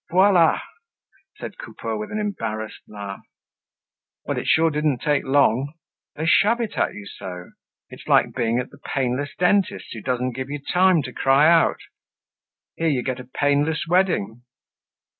"Voila!" said Coupeau with an embarrassed laugh. "Well, it sure didn't take long. They shove it at you so; it's like being at the painless dentist's who doesn't give you time to cry out. Here you get a painless wedding!"